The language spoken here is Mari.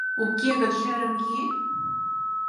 Уке гын, шӧрым йӱ.